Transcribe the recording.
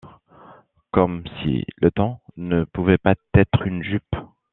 Comme si le temps ne pouvait pas être une jupe.